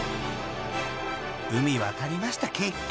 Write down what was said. ［海渡りました結局。